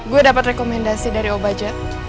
gue dapet rekomendasi dari obadjat